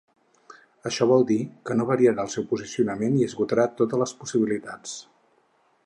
Això vol dir que no variarà el seu posicionament i esgotarà totes les possibilitats.